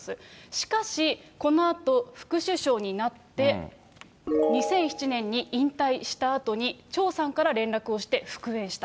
しかし、このあと、副首相になって、２００７年に引退したあとに、張さんから連絡をして復縁した。